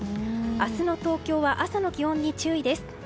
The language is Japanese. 明日の東京は朝の気温に注意です。